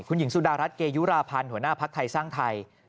คุณหญิงสุดารัฐเกยุราพันธ์หัวหน้าภักดิ์ไทยสร้างไทย